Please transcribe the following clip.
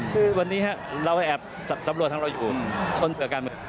คือวันนี้เราแอบที่สำรวจทั้งเราอยู่